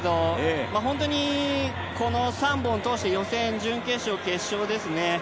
本当に３本通して予選、準決勝、決勝ですね。